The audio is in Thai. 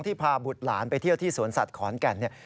พาบุตรหลานไปเที่ยวที่สวนสัตว์ขอนแก่น